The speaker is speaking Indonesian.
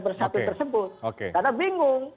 bersatu tersebut karena bingung